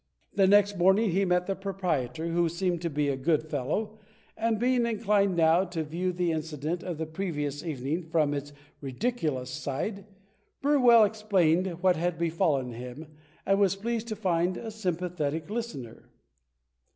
The next morning he met the proprietor, who seemed to be a good fellow, and, being inclined now to view the incident of the previous evening from its ridiculous side, Burwell explained what had befallen him, and was pleased to find a sjrm pathetic listener.